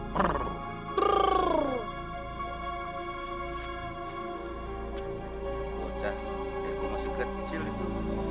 bocah kayak gua masih ke temsil itu